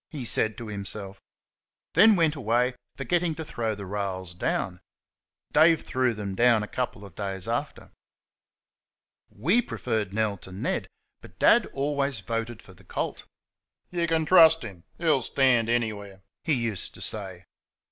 he said to himself. Then went away, forgetting to throw the rails down. Dave threw them down a couple of days after. WE preferred Nell to Ned, but Dad always voted for the colt. "You can trust him; he'll stand anywhere," he used to say.